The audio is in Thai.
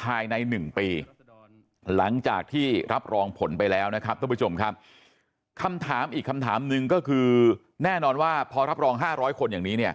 ภายใน๑ปีหลังจากที่รับรองผลไปแล้วนะครับท่านผู้ชมครับคำถามอีกคำถามหนึ่งก็คือแน่นอนว่าพอรับรอง๕๐๐คนอย่างนี้เนี่ย